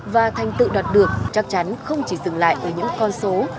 và thành tựu đạt được chắc chắn không chỉ dừng lại ở những con số